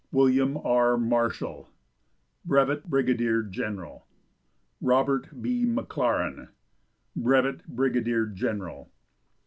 William R. Marshall, Brevet Brigadier General. Robert B. McLaren, Brevet Brigadier General.